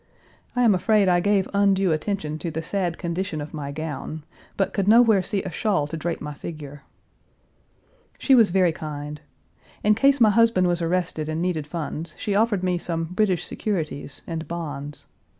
I am afraid I gave undue attention to the sad condition of my gown, but could nowhere see a shawl to drape my figure. She was very kind. In case my husband was arrested and needed funds, she offered me some "British securities" and bonds.